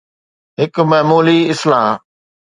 هڪ معمولي اصلاح.